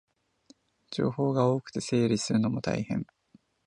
情報が多くて整理するのも大変